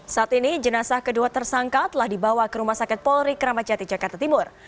saat ini jenazah kedua tersangka telah dibawa ke rumah sakit polri kramacati jakarta timur